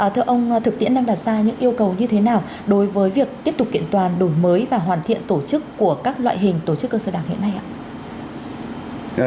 thưa ông thực tiễn đang đặt ra những yêu cầu như thế nào đối với việc tiếp tục kiện toàn đổi mới và hoàn thiện tổ chức của các loại hình tổ chức cơ sở đảng hiện nay ạ